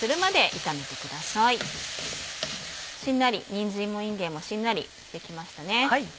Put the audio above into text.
にんじんもいんげんもしんなりしてきましたね。